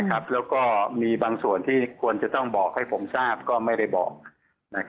แล้วก็มีบางส่วนที่ควรจะต้องบอกให้ผมทราบก็ไม่ได้บอก